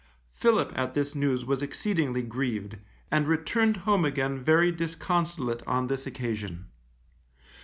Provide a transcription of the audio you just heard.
Philip at this news was exceedingly grieved, and returned home again very disconsolate on this occasion.